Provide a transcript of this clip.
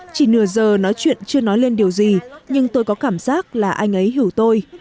chỉ nửa giờ nói chuyện chưa nói lên điều gì nhưng tôi có cảm giác là anh ấy hiểu tôi